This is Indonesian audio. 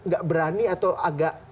gak berani atau agak